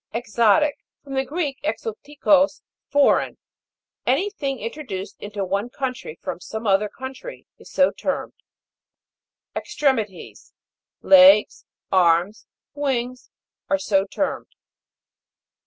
EXO'TIC. From the Greek, exdtikos, foreign. Any thing introduced into one country, from some other country, is so termed. EXTRE'MITIES. Legs, arms, wings, are so termed.